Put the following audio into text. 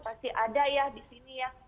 masih ada ya di sini ya